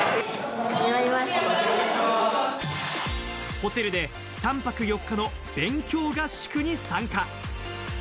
ホテルで３泊４日の勉強合宿に参加。